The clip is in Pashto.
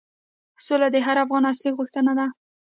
سوله د هر افغان اصلي غوښتنه ده.